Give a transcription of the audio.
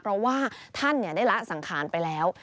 เพราะว่าท่านได้ละสังขารไปแล้ว